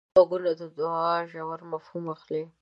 غوږونه د دوعا ژور مفهوم اخلي